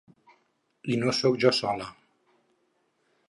I no sóc jo sola.